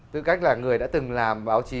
tư cách là người đã từng làm báo chí